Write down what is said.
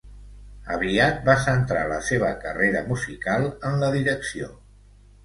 Aviat va centrar la seva carrera musical en la direcció.